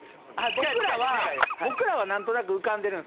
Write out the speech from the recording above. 僕らは僕らはなんとなく浮かんでるんですよ。